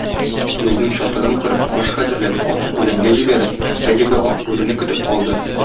Үзенең чатырын корып, аш хәзерләп, атын үләнгә җибәреп, әлеге Ак бүрене көтеп калды.